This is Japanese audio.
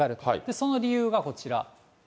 その理由がこちら。